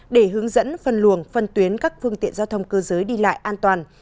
để hướng dẫn phân luồng phân tuyến các phương tiện giao thông cơ giới đi lại an toàn